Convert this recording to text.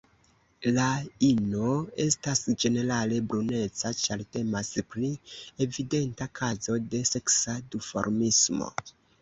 La ino estas ĝenerale bruneca, ĉar temas pri evidenta kazo de seksa duformismo.